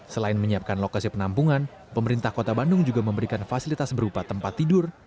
selain menyiapkan lokasi penampungan pemerintah kota bandung juga memberikan fasilitas berupa tempat tidur